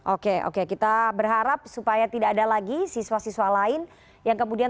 oke oke kita berharap supaya tidak ada lagi siswa siswa yang menimpa kejadian